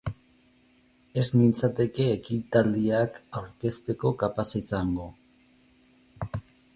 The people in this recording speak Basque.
Ez nintzateke ekitaldiak aurkezteko kapaza izango.